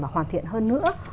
và hoàn thiện hơn nữa